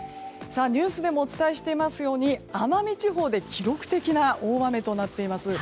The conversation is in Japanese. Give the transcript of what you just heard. ニュースでもお伝えしていますように奄美地方で記録的な大雨となっています。